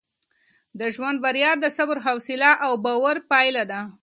د ژوند بریا د صبر، حوصله او باور پایله ده.